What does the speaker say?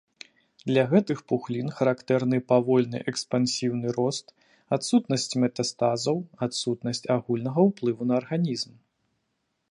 Для гэтых пухлін характэрны павольны экспансіўны рост, адсутнасць метастазаў, адсутнасць агульнага ўплыву на арганізм.